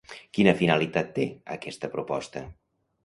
Quina finalitat té aquesta proposta?